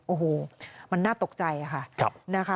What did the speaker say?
โอ้โฮมันน่าตกใจค่ะ